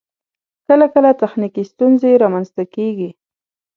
کله کله تخنیکی ستونزې رامخته کیږی